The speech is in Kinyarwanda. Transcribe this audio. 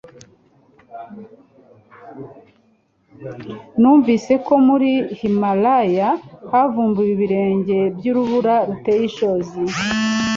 Numvise ko muri Himalaya havumbuwe ibirenge by’urubura ruteye ishozi